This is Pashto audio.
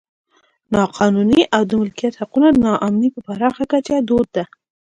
نا قانوني او د مالکیت حقونو نا امني په پراخه کچه دود ده.